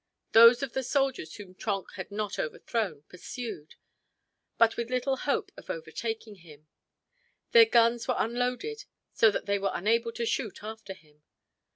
Those of the soldiers whom Trenck had not overthrown pursued, but with little hope of overtaking him. Their guns were unloaded so that they were unable to shoot after him.